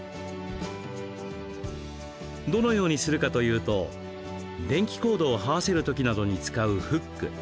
どのようにするかというと電気コードをはわせる時などに使うフック